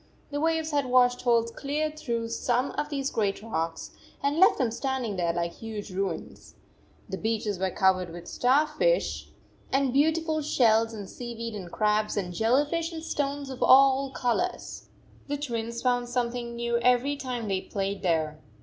The waves had washed holes clear through some of these great rocks and left them standing there like huge ruins. The beaches were covered with star fish "5 and beautiful shells and seaweed and crabs and jelly fish and stones of all colors. The Twins found something new every time they played there.